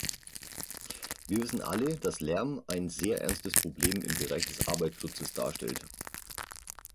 Wir wissen alle, dass Lärm ein sehr ernstes Problem im Bereich des Arbeitsschutzes darstellt.